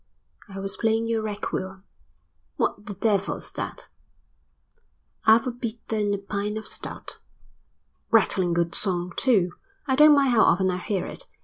"I was playing your requiem." "What the devil's that?" "'Alf o' bitter an' a pint of stout." "A rattling good song too. I don't mind how often I hear it.